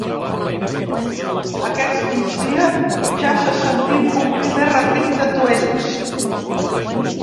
Aquest migdia ja s’ha sentit un primer repic d’atuells.